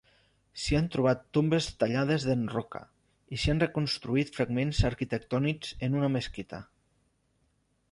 S'hi han trobat tombes tallades en roca, i s'han reconstruït fragments arquitectònics en una mesquita.